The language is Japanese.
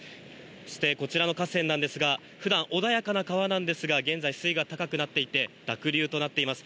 そしてこちらの河川なんですが、普段、穏やかな川なんですが現在水位が高くなっていて、濁流となっています。